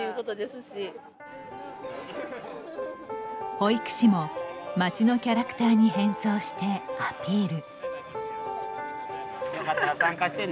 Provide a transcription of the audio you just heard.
保育士も町のキャラクターに変装してアピール。